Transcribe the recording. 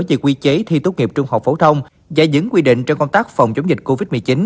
vì quy chế thi tốt nghiệp trung học phổ thông giải dứng quy định cho công tác phòng chống dịch covid một mươi chín